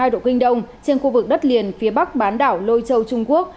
một trăm một mươi hai độ kinh đông trên khu vực đất liền phía bắc bán đảo lôi châu trung quốc